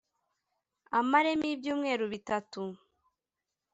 amaremo ibyumweru bitatu